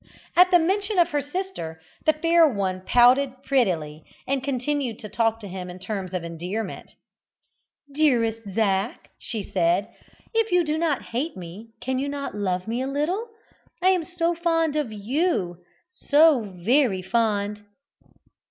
At the mention of her sister the fair one pouted prettily, and continued to talk to him in terms of endearment. "Dearest Zac," she said, "if you do not hate me cannot you love me a little? I am so fond of you so very fond."